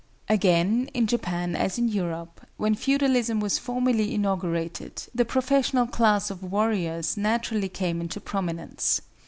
Again, in Japan as in Europe, when feudalism was formally inaugurated, the professional class of warriors naturally came into prominence.